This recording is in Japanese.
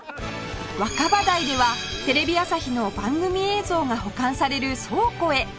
若葉台ではテレビ朝日の番組映像が保管される倉庫へ